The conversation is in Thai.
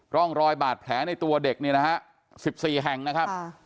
ร่องรอยบาดแผลในตัวเด็กเนี่ยนะฮะ๑๔แห่งนะครับ